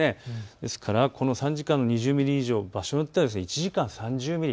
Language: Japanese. ですからこの３時間の２０ミリ以上、場所によっては１時間に３０ミリ。